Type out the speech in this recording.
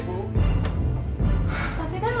kamu dagang lagi bu